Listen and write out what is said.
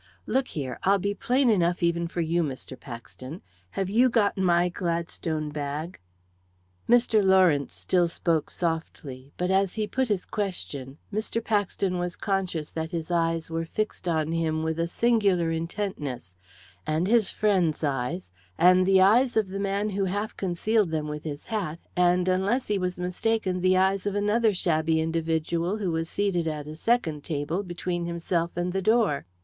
"Look here, I'll be plain enough, even for you, Mr. Paxton. Have you got my Gladstone bag?" Mr. Lawrence still spoke softly, but as he put his question Mr. Paxton was conscious that his eyes were fixed on him with a singular intentness, and his friend's eyes, and the eyes of the man who half concealed them with his hat, and, unless he was mistaken, the eyes of another shabby individual who was seated at a second table, between himself and the door.